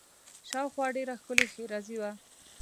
شاوخوا ډېره ښکلې ښېرازي وه.